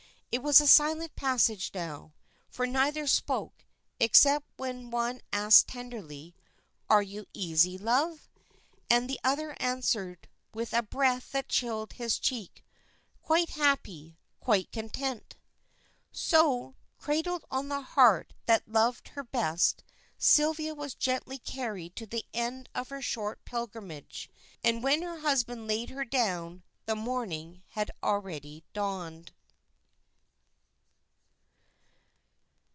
It was a silent passage now, for neither spoke, except when one asked tenderly, "Are you easy, love?" and the other answered, with a breath that chilled his cheek, "Quite happy, quite content." So, cradled on the heart that loved her best, Sylvia was gently carried to the end of her short pilgrimage, and when her husband laid her down the morning had already dawned.